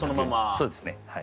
そうですね。